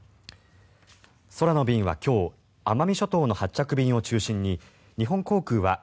空の便は今日奄美諸島の発着便を中心に日本航空は１０９